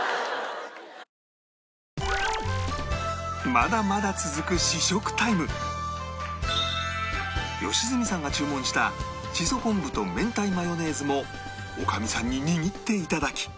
まだまだ続く良純さんが注文したしそ昆布と明太マヨネーズも女将さんに握って頂き